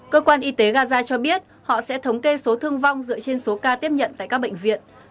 cơ quan y tế gaza cho biết họ sẽ thống kê số thương vong dựa trên số ca tiếp nhận tại các bệnh viện